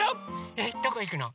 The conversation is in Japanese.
えっどこいくの？